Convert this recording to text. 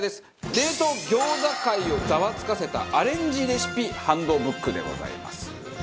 冷凍餃子界をザワつかせたアレンジレシピハンドブックでございます。